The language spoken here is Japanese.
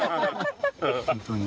本当に。